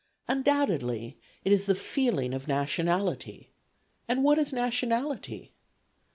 Undoubtedly it is the feeling of nationality; and what is nationality?